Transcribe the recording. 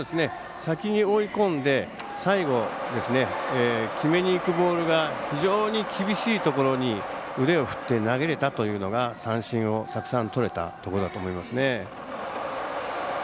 先に追い込んで最後、決めにいくボールが厳しいところに腕を振って投げれたというのが三振をたくさんとれたところだと思いますね。